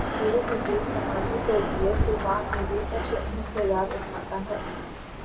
میرے نزدیک سماجی تربیت کے باب میں بھی سب سے اہم کردار علما کا ہے۔